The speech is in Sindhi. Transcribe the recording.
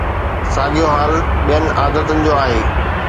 ساڳيو حال ٻين عادتن جو آهي.